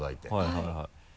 はいはい。